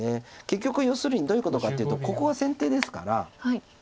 結局要するにどういうことかっていうとここが先手ですから。